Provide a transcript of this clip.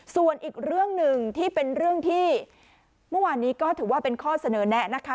ส่วนอีกเรื่องหนึ่งที่เป็นเรื่องที่เมื่อวานนี้ก็ถือว่าเป็นข้อเสนอแนะนะคะ